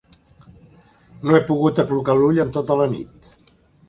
No he pogut aclucar l'ull en tota la nit.